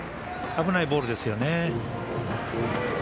危ないボールですよね。